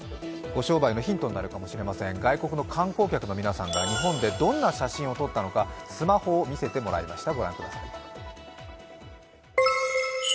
ご商売のヒントになるかもしれません外国の観光客の皆さんが日本でどんな写真を撮ったのかスマホを見せてもらいました。